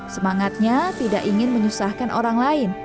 semangatnya tidak ingin menyusahkan orang lain